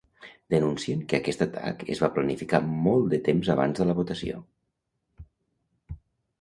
Denuncien que aquest atac es va planificar molt de temps abans de la votació.